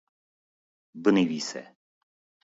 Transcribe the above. Binivîse